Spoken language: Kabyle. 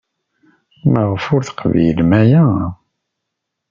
Maɣef ur teqbilem aya?